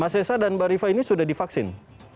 mas sessa dan mbak riva ini sudah divaksin